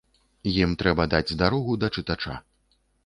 Ім трэба даць дарогу да чытача.